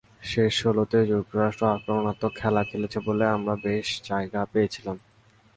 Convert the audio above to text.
শেষ ষোলোতে যুক্তরাষ্ট্র আক্রমণাত্মক খেলা খেলেছে বলে আমরা বেশ জায়গা পেয়েছিলাম।